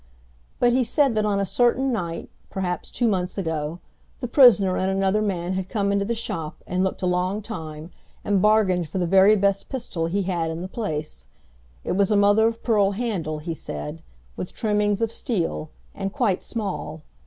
But he said that on a certain night, perhaps two months ago, the prisoner and another man had come into the shop and looked a long time and bargained for the very best pistol he had in the place. It was a mother of pearl handle, he said, with trimmings of steel, and quite small.